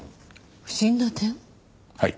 はい。